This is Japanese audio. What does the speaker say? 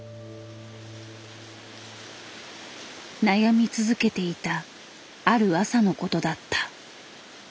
悩み続けていたある朝のことだった。